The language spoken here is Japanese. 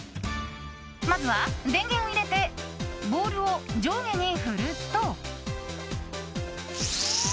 まずは電源を入れてボールを上下に振ると。